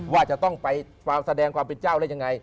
ว่าจะต้องไปแสดงความเป็นเจ้าได้ยังไง